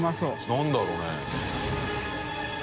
何だろうね？